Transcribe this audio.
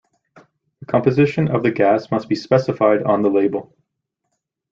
The composition of the gas must also be specified on the label.